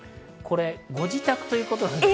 ご自宅ということです。